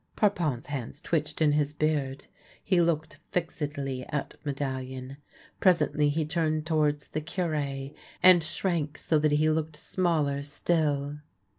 Parpon's hands twitched in his beard. He looked fixedly at Medallion. Presently he turned towards the Cure, and shrank so that he looked smaller still.